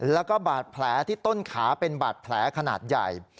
แล้วก็บาดแผลที่ต้นขาเป็นบาดแผลขนาดใหญ่